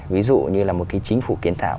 ví dụ như là một cái chính phủ kiến tạo